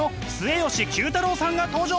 太郎さんが登場！